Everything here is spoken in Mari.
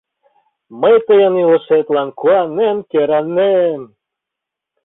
— Мый тыйын илышетлан куанен кӧранем...